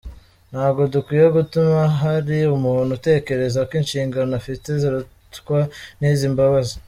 Ntabwo dukwiye gutuma hari umuntu utekereza ko inshingano afite zirutwa n’izi mbabazi.